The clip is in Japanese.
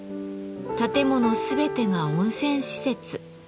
建物全てが温泉施設。